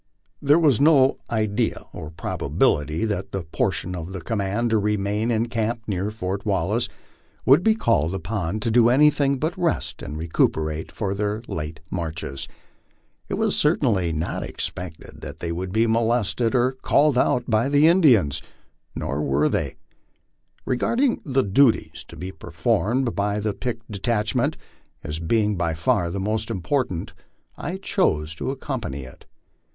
There was no idea or probability that the portion of the command to remain in camp near Fort Wallace would be called upon to do anything but rest and recuperate from their late marches. It was oertainly not expected that they would be molested or called out by Indians ; 101* were they. Regarding the duties to be performed by the picked detach ment as being by far the most important, I chose to accompany it.